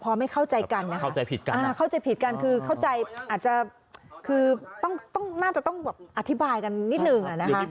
พอไม่เข้าใจกันนะคะเข้าใจผิดกันเข้าใจผิดกันคือเข้าใจอาจจะคือต้องน่าจะต้องแบบอธิบายกันนิดหนึ่งอะนะคะ